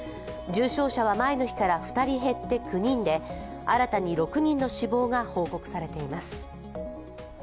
重症者は前の日から２人減って９人で、新たに６人の死亡が報告されています。